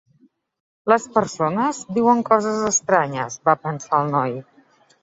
Les persones diuen coses estranyes, va pensar el noi.